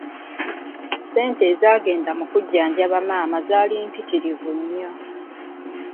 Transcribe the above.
Ssente ezaagenda mu kujjanjaba maama zaali mpitirivu nnyo.